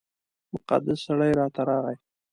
مقدس سړی راته راغی.